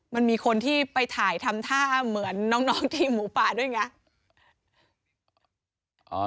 มันมีคนที่ไปถ่ายทำท่าเหมือนน้องทีมหมูป่าด้วยไง